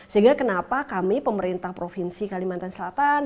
sehingga kenapa kami pemerintah provinsi kalimantan selatan